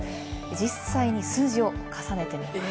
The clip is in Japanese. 実際に数字を重ねてみます。